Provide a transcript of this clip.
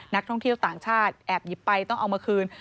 นักท่องเที่ยวต่างชาติแอบหยิบไปต้องเอามาคืน